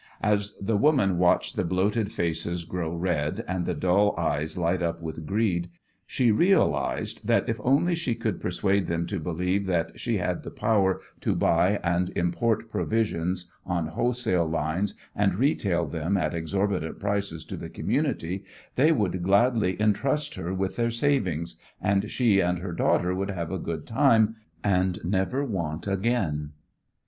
As the woman watched the bloated faces grow red and the dull eyes light up with greed, she realized that if only she could persuade them to believe that she had the power to buy and import provisions on wholesale lines and retail them at exorbitant prices to the community they would gladly entrust her with their savings, and she and her daughter would have a good time and never want again.